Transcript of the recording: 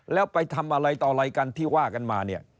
แล้วไปทำอะไรต่ออะไรกันที่ว่ากันมาเนี่ย